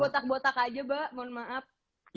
mungkin dulu botak botak aja mbak mohon maaf